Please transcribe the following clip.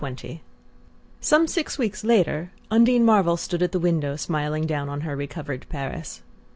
XX Some six weeks later. Undine Marvell stood at the window smiling down on her recovered Paris.